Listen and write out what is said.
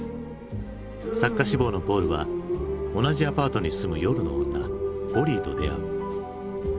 作家志望のポールは同じアパートに住む夜の女ホリーと出会う。